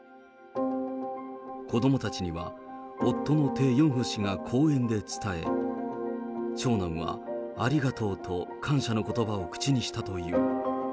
子どもたちには夫のテ・ヨンホ氏が公園で伝え、長男はありがとうと、感謝のことばを口にしたという。